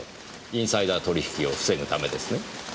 インサイダー取引を防ぐためですね。